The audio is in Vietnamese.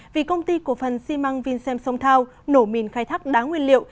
vì công ty cổ phần xi măng vinsem sông thao nổ mìn khai thác đá nguyên liệu